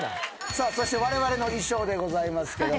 さあそしてわれわれの衣装でございますけども。